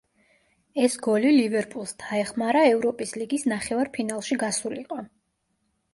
ეს გოლი ლივერპულს დაეხმარა ევროპის ლიგის ნახევარფინალში გასულიყო.